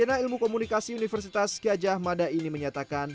sarjana ilmu komunikasi universitas kiajah mada ini menyatakan